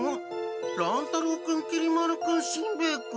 乱太郎君きり丸君しんべヱ君。